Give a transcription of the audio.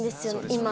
今。